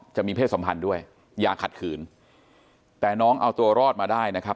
จะมีเพศสัมพันธ์ด้วยอย่าขัดขืนแต่น้องเอาตัวรอดมาได้นะครับ